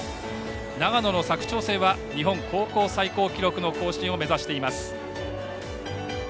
長野の佐久長聖は日本高校最高記録の更新を目指しています。